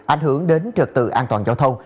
ảnh hưởng đến trực tự an toàn giao thông